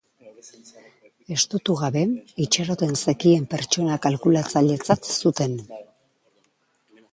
Estutu gabe, itxaroten zekien pertsona kalkulatzailetzat zuten.